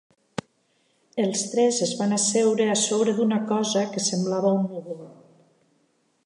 Els tres es van asseure a sobre d'una cosa que semblava un núvol.